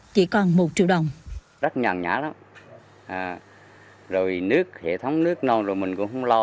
chỉ còn một triệu đồng